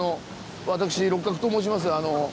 私六角と申します。